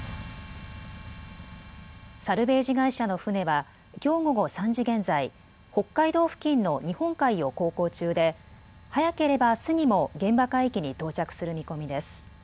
サルベージ会社の船は、きょう午後３時現在、北海道付近の日本海を航行中で、早ければあすにも現場海域に到着する見込みです。